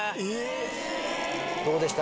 どうでした？